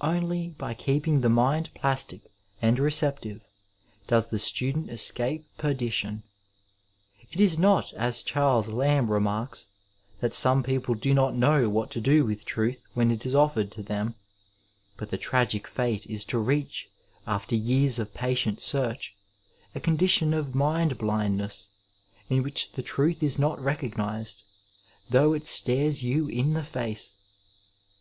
Only by keeping the mind plastic and receptive does the student escape perdition. It is not, as CSharles Lamb remarks, that some people do not know what to do with truth when it is offered to them, but the tragic fate is to reach, after years of patient search, a condition of mind blindness in which the truth is not recognized, though it stares you in the face.